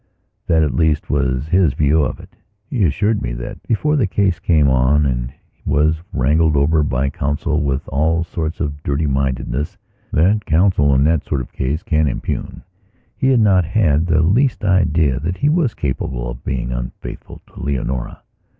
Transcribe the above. That, at least, was his view of it. He assured me that, before that case came on and was wrangled about by counsel with all sorts of dirty mindedness that counsel in that sort of case can impute, he had not had the least idea that he was capable of being unfaithful to Leonora.